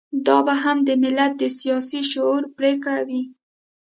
دا به هم د ملت د سياسي شعور پرېکړه وي.